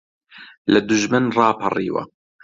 لە دوژمن ڕاپەڕیوە